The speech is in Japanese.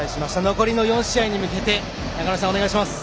残りの４試合に向けて中村さん、お願いします。